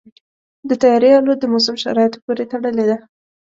د طیارې الوت د موسم شرایطو پورې تړلې ده.